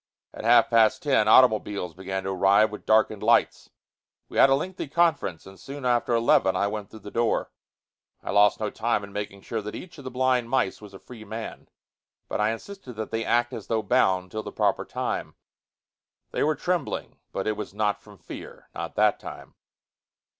At half past ten, automobiles began to arrive with darkened lights. We had a lengthy conference, and soon after eleven I went through the door. I lost no time in making sure that each of the blind mice was a free man, but I insisted that they act as though bound till the proper time. They were trembling, but it was not from fear, not that time.